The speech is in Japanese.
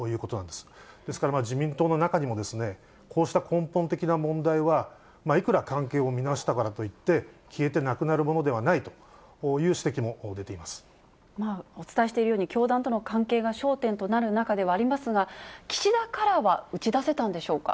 ですから、自民党の中にも、こうした根本的な問題は、いくら関係を見直したからといって、消えてなくなるものではないお伝えしているように、教団との関係が焦点となる中ではありますが、岸田カラーは打ち出